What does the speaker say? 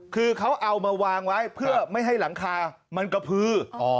คือเขาเอามาวางไว้เพื่อไม่ให้หลังคามันกระพือ